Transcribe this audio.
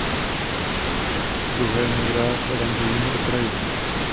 Stuha je modrá s oranžovými okraji.